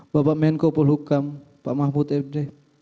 bapak menko polhukam pak mahfud md